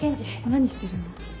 何してるの？